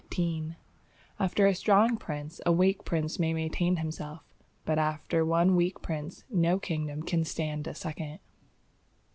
—_After a strong Prince a weak Prince may maintain himself: but after one weak Prince no Kingdom can stand a second.